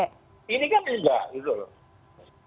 ini kan tidak